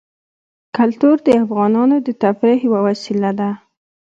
کلتور د افغانانو د تفریح یوه وسیله ده.